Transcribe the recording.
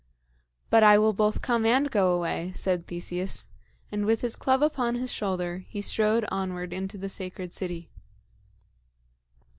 "But I will both come and go away," said Theseus; and with his club upon his shoulder, he strode onward into the sacred city.